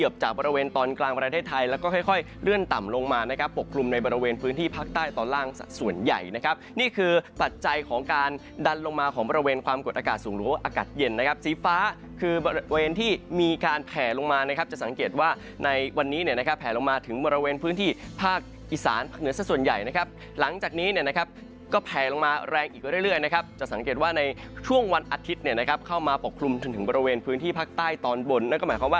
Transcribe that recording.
บริเวณตอนกลางประเทศไทยแล้วก็ค่อยเรื่องต่ำลงมานะครับปกครุมในบริเวณพื้นที่ภาคใต้ตอนล่างส่วนใหญ่นะครับนี่คือปัจจัยของการดันลงมาของบริเวณความกดอากาศสูงหรืออากาศเย็นนะครับสีฟ้าคือบริเวณที่มีการแผลลงมานะครับจะสังเกตว่าในวันนี้เนี่ยนะครับแผลลงมาถึงบริเวณพื้นที่ภาค